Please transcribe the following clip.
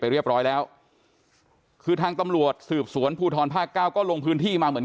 เรียบร้อยแล้วคือทางตำรวจสืบสวนภูทรภาคเก้าก็ลงพื้นที่มาเหมือน